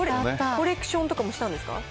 コレクションとかもしたんですか？